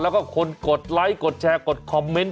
แล้วก็คนกดไลค์กดแชร์กดคอมเมนต์